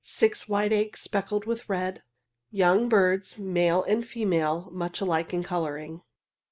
Six white eggs speckled with red young birds, male and female much alike in colouring.